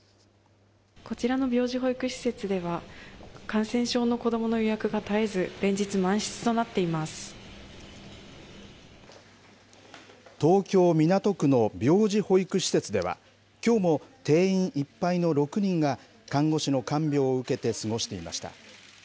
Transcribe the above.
こちらの病児保育施設では、感染症の子どもの予約が絶えず、東京・港区の病児保育施設では、きょうも定員いっぱいの６人が、看護師の看病を受けて過ごしていました。